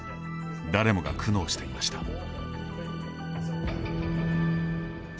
誰もが苦悩していました。